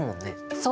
そう！